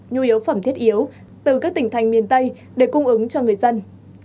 nhu yếu phẩm thiết yếu từ các tỉnh thành miền tây để cung ứng cho người dân